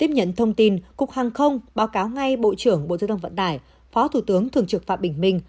tiếp nhận thông tin cục hàng không báo cáo ngay bộ trưởng bộ tư thông vận tải phó thủ tướng thường trực phạm bình minh